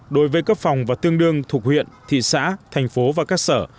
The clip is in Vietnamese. đối với cấp phòng và tương đương thuộc huyện thị xã thành phố và các sở